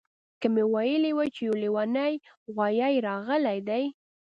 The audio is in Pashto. که مې ویلي وای چې یو لیونی غوایي راغلی دی